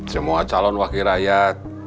semua calon wakil rakyat